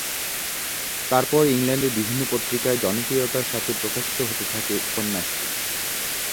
তারপর ইংল্যান্ডের বিভিন্ন পত্রিকায় জনপ্রিয়তার সাথে প্রকাশিত হতে থাকে উপন্যাসটি।